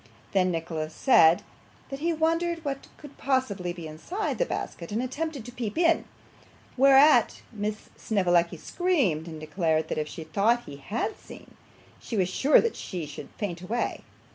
Then Nicholas said, that he wondered what could possibly be inside the basket, and attempted to peep in, whereat Miss Snevellicci screamed, and declared that if she thought he had seen, she was sure she should faint away.